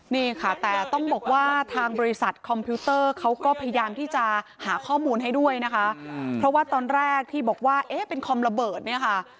นี่ค่ะแต่ต้องบอกว่าทางบริษัทคอมพิวเตอร์เขาก็พยายามที่จะหาข้อมูลให้ด้วยนะคะเพราะว่าตอนแรกที่บอกว่าเอ๊ะเป็นคอมระเบิดเนี่ยค่ะ